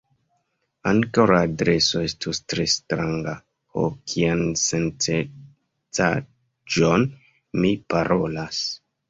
Ankaŭ la adreso estos tre stranga: Ho, kian sensencaĵon mi parolas!